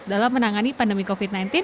dalam menangani pandemi covid sembilan belas